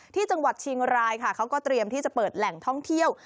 ที่จังหวัดเชียงรายค่ะเขาก็เตรียมที่จะเปิดแหล่งท่องเที่ยว